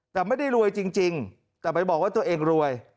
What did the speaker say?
แต่ไม่ได้รวยจริงแต่ไปบอกว่าตัวเองรวย